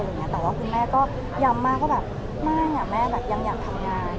หรืออย่างเงี้ยแต่ว่าคุณแม่ก็ย้ำมากว่าแบบมากอ่ะแม่แบบยังอยากทำงาน